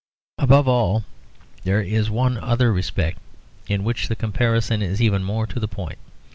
Above all, there is one other respect in which the comparison is even more to the point.